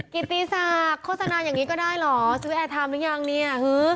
กิติศักดิ์โฆษณาอย่างนี้ก็ได้เหรอซื้อแอร์ไทม์หรือยังเนี่ย